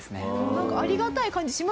なんかありがたい感じしますよね